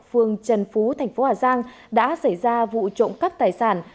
phường trần phú tp hà giang đã xảy ra vụ trộm cắt tài sản